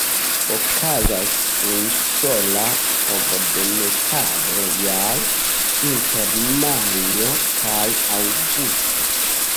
Okazas unusola ovodemetado jare, inter majo kaj aŭgusto.